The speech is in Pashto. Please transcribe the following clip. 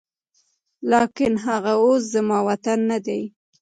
لاکن هغه اوس زما وطن نه دی